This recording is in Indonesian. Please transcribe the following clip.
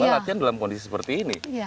kita latihan dalam kondisi seperti ini